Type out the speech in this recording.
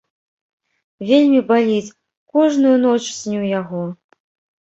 Вельмі баліць, кожную ноч сню яго.